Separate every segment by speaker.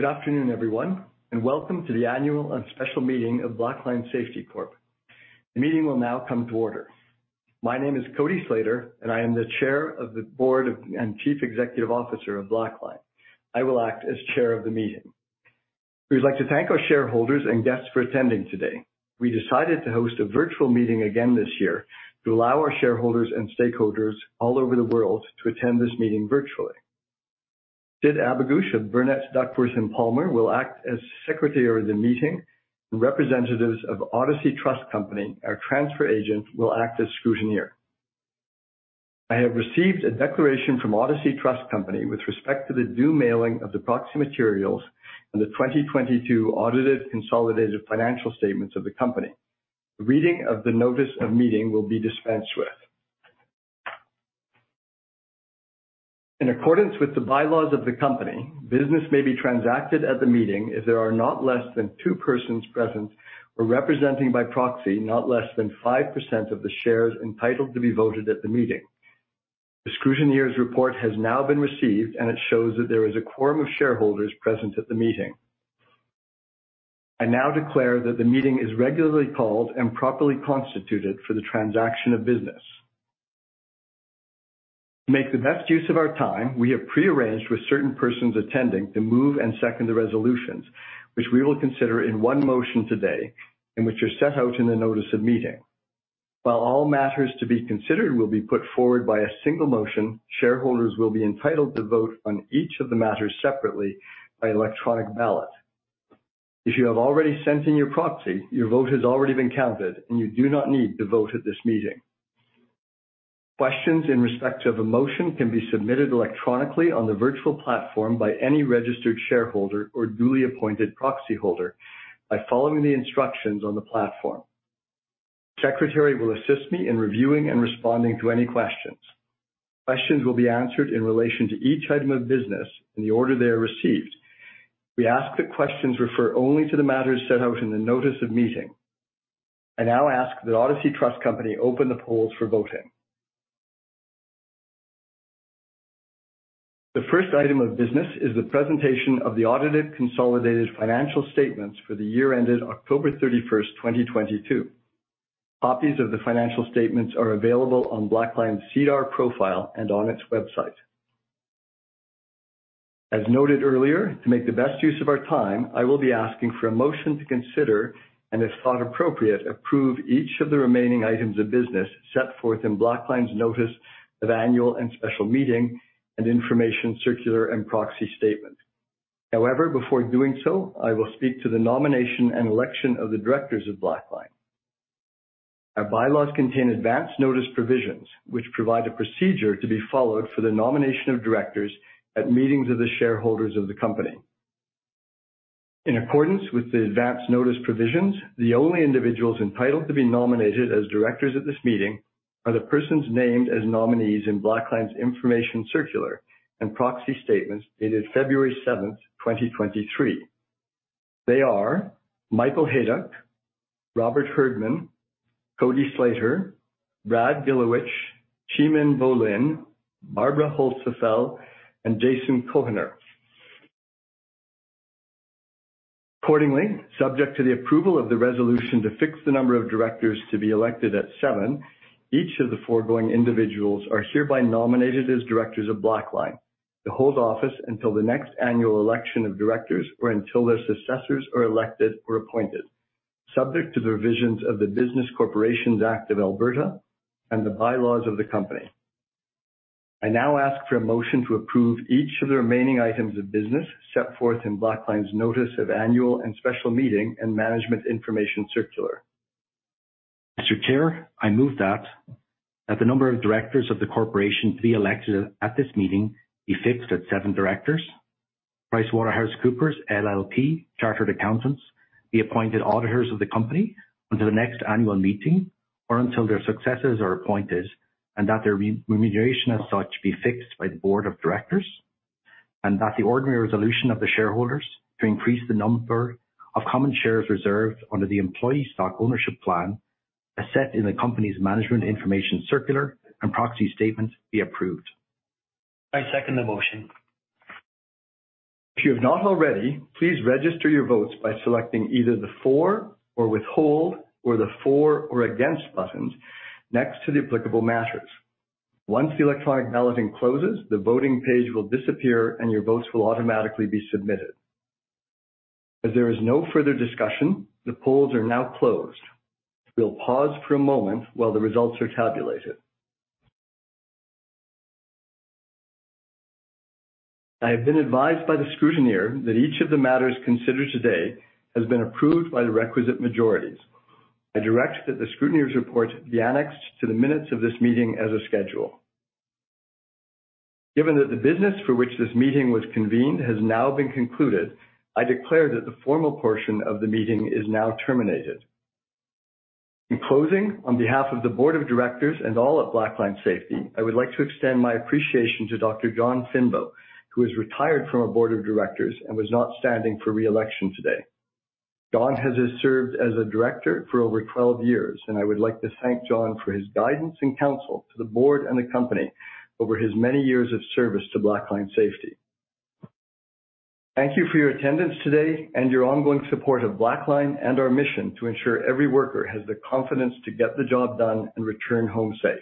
Speaker 1: Good afternoon, everyone, and welcome to the annual and special meeting of Blackline Safety Corp. The meeting will now come to order. My name is Cody Slater, and I am the Chair of the Board of, and Chief Executive Officer of Blackline. I will act as chair of the meeting. We would like to thank our shareholders and guests for attending today. We decided to host a virtual meeting again this year to allow our shareholders and stakeholders all over the world to attend this meeting virtually. Syd Abougoush of Burnet, Duckworth & Palmer will act as secretary of the meeting, and representatives of Odyssey Trust Company, our transfer agent, will act as scrutineer. I have received a declaration from Odyssey Trust Company with respect to the due mailing of the proxy materials and the 2022 audited consolidated financial statements of the company. The reading of the notice of meeting will be dispensed with. In accordance with the bylaws of the company, business may be transacted at the meeting if there are not less than two persons present or representing by proxy, not less than 5% of the shares entitled to be voted at the meeting. The scrutineer's report has now been received, and it shows that there is a quorum of shareholders present at the meeting. I now declare that the meeting is regularly called and properly constituted for the transaction of business. To make the best use of our time, we have pre-arranged with certain persons attending to move and second the resolutions, which we will consider in one motion today, and which are set out in the notice of meeting. While all matters to be considered will be put forward by a single motion, shareholders will be entitled to vote on each of the matters separately by electronic ballot. If you have already sent in your proxy, your vote has already been counted, and you do not need to vote at this meeting. Questions in respect of a motion can be submitted electronically on the virtual platform by any registered shareholder or duly appointed proxyholder by following the instructions on the platform. The secretary will assist me in reviewing and responding to any questions. Questions will be answered in relation to each item of business in the order they are received. We ask that questions refer only to the matters set out in the notice of meeting. I now ask that Odyssey Trust Company open the polls for voting. The first item of business is the presentation of the audited consolidated financial statements for the year ended October 31, 2022. Copies of the financial statements are available on Blackline's SEDAR profile and on its website. As noted earlier, to make the best use of our time, I will be asking for a motion to consider, and if thought appropriate, approve each of the remaining items of business set forth in Blackline's notice of annual and special meeting and information circular and proxy statement. However, before doing so, I will speak to the nomination and election of the directors of Blackline. Our bylaws contain advance notice provisions, which provide a procedure to be followed for the nomination of directors at meetings of the shareholders of the company. In accordance with the advance notice provisions, the only individuals entitled to be nominated as directors at this meeting are the persons named as nominees in Blackline's information circular and proxy statements dated February 7, 2023. They are Michael Hayduk, Robert Herdman, Cody Slater, Brad Gilewich, Cheemin Bo-Linn, Barbara Holzapfel, and Jason Cohenour. Accordingly, subject to the approval of the resolution to fix the number of directors to be elected at seven, each of the foregoing individuals are hereby nominated as directors of Blackline to hold office until the next annual election of directors or until their successors are elected or appointed, subject to the revisions of the Business Corporations Act of Alberta and the bylaws of the company. I now ask for a motion to approve each of the remaining items of business set forth in Blackline's notice of annual and special meeting and management information circular.
Speaker 2: Mr. Chair, I move that the number of directors of the corporation to be elected at this meeting be fixed at seven directors, that PricewaterhouseCoopers LLP, Chartered Accountants, be appointed auditors of the company until the next annual meeting or until their successors are appointed, and that their remuneration as such be fixed by the board of directors. That the ordinary resolution of the shareholders to increase the number of common shares reserved under the employee stock ownership plan, as set in the company's management information circular and proxy statement, be approved.
Speaker 3: I second the motion.
Speaker 1: If you have not already, please register your votes by selecting either the for or withhold or the for or against buttons next to the applicable matters. Once the electronic balloting closes, the voting page will disappear, and your votes will automatically be submitted. As there is no further discussion, the polls are now closed. We'll pause for a moment while the results are tabulated. I have been advised by the scrutineer that each of the matters considered today has been approved by the requisite majorities. I direct that the scrutineer's report be annexed to the minutes of this meeting as a schedule. Given that the business for which this meeting was convened has now been concluded, I declare that the formal portion of the meeting is now terminated. In closing, on behalf of the board of directors and all at Blackline Safety, I would like to extend my appreciation to Dr. John Finbow, who has retired from our board of directors and was not standing for re-election today. John has served as a director for over 12 years, and I would like to thank John for his guidance and counsel to the board and the company over his many years of service to Blackline Safety. Thank you for your attendance today and your ongoing support of Blackline and our mission to ensure every worker has the confidence to get the job done and return home safe.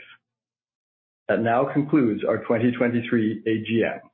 Speaker 1: That now concludes our 2023 AGM.